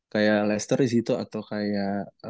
kayak leicester disitu atau kayak